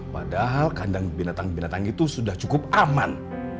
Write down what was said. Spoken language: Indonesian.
padahal kandang binatang binatang itu sudah cukup aman